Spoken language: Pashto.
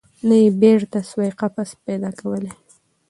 نه یې بیرته سوای قفس پیدا کولای